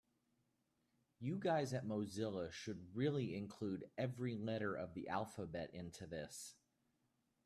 You guys at Mozilla should really include every letter of the alphabet into this.